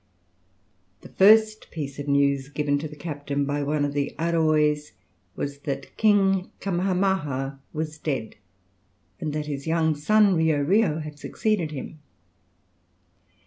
The first piece of news given to the captain by one of the Areois was that King Kamahamaha was dead, and that his young son Rio Rio had succeeded him.